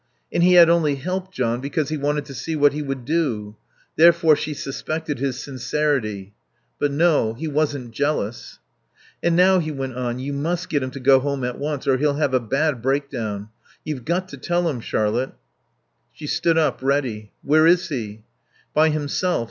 And he had only helped John because he wanted to see what he would do. Therefore she suspected his sincerity. But, no; he wasn't jealous. "And now," he went on, "you must get him to go home at once, or he'll have a bad break down. You've got to tell him, Charlotte." She stood up, ready. "Where is he?" "By himself.